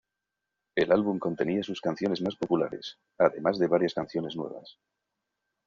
El álbum contenía sus canciones más populares, además de varias canciones nuevas.